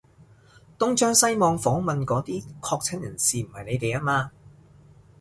東張西望訪問嗰啲確診男士唔係你哋吖嘛？